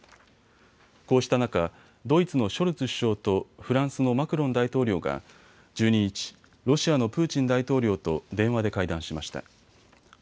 こうした中、ドイツのショルツ首相とフランスのマクロン大統領が１２日、ロシアのプーチン大統領と電話で会談しました。